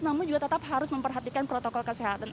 namun juga tetap harus memperhatikan protokol kesehatan